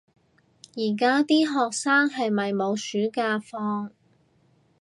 而家啲學生係咪冇暑假放